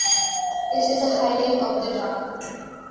It is a highlight of the town.